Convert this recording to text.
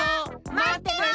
まってるよ！